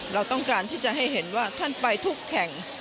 เราต้องการที่จะให้เห็นว่าท่านไปทุกแข่ง